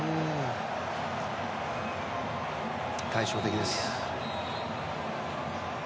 対照的です。